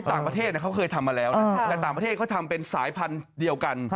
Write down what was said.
ต่างประเทศเขาเคยทำมาแล้วนะแต่ต่างประเทศเขาทำเป็นสายพันธุ์เดียวกัน